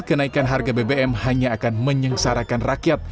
kenaikan harga bbm hanya akan menyengsarakan rakyat